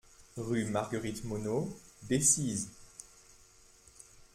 Rue Marguerite Monnot, Decize